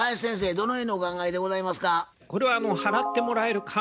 どのようにお考えでございますか？